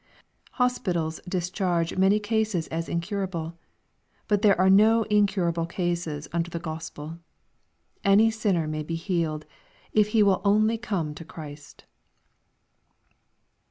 Hospitals discharge many cases as incurable. But there are no incurable cases under the Gospel. Any sinner may be healed, if he will only come to Christ.